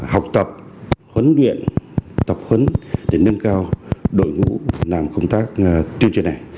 học tập huấn luyện tập huấn để nâng cao đội ngũ làm công tác tuyên truyền này